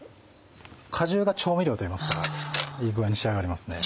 果汁が調味料といいますかいい具合に仕上がりますね。